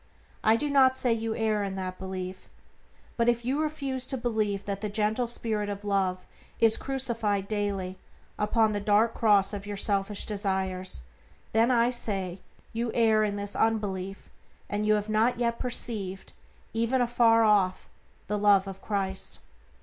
I do not say you err in that belief; but if you refuse to believe that the gentle spirit of Love is crucified daily upon the dark cross of your selfish desires, then, I say, you err in this unbelief, and have not yet perceived, even afar off, the Love of Christ.